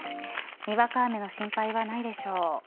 にわか雨の心配はないでしょう。